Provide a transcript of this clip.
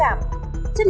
chất liệu của huyết áp